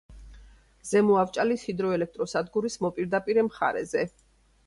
ზემო ავჭალის ჰიდროელექტროსადგურის მოპირდაპირე მხარეზე.